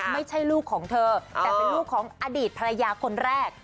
ไม่ใช่ลูกของเธอแต่เป็นลูกของอดีตภรรยาคนแรก